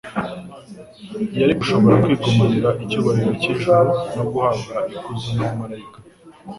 Yari gushobora kwigumanira icyubahiro cy'ijuru no guhabwa ikuzo n'abamalayika.